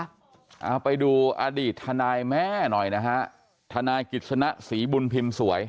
เอาไปดูอดีตทนายแม่หน่อยนะฮะทนายกิจสนะศรีบุญพิมพ์สวย